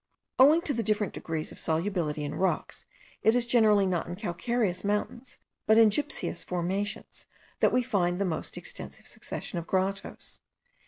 Owing to the different degrees of solubility in rocks, it is generally not in calcareous mountains, but in gypseous formations, that we find the most extensive succession of grottoes.